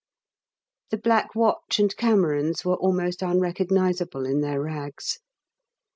The Black Watch and Camerons were almost unrecognisable in their rags.